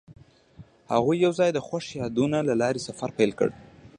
هغوی یوځای د خوښ یادونه له لارې سفر پیل کړ.